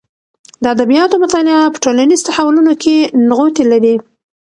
د ادبیاتو مطالعه په ټولنیز تحولونو کې نغوتې لري.